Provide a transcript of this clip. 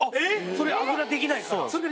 それあぐらできないから？